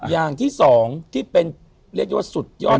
อย่างที่สองที่เป็นเรียกได้ว่าสุดยอด